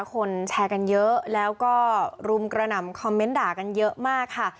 คนแชร์กันเยอะแล้วก็รุมกระหน่ำคอมเมนต์ด่ากันเยอะมากค่ะ